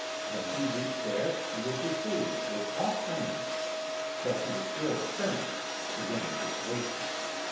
When he reached there he was re ceived with all kindness; but he was still determined to win his wager.